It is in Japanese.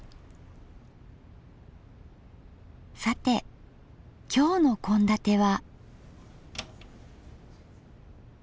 さて今日の献立は。